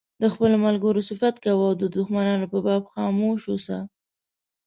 د خپلو ملګرو صفت کوه او د دښمنانو په باب خاموش اوسه.